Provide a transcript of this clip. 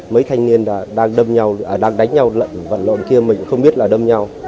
mấy thanh niên đang đâm nhau đang đánh nhau lận vận lộn kia mình không biết là đâm nhau